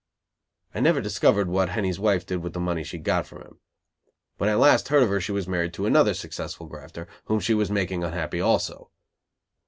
I never discovered what Henny's wife did with the money she had from him. When I last heard of her she was married to another successful grafter, whom she was making unhappy also.